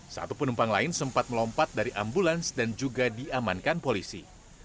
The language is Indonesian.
satu penumpang lain sempat melompat dari ambulans dan juga diamankan polisi